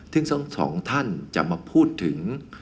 ซึ่งทั้งสองท่านจะมาพูดถึง